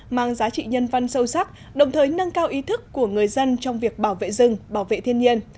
mang giá trị nhân văn sâu sắc đồng thời nâng cao ý thức của người dân trong việc bảo vệ rừng bảo vệ thiên nhiên